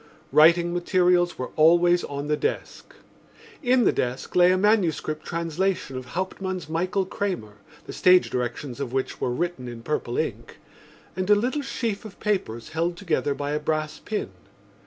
Writing materials were always on the desk. In the desk lay a manuscript translation of Hauptmann's Michael Kramer, the stage directions of which were written in purple ink, and a little sheaf of papers held together by a brass pin.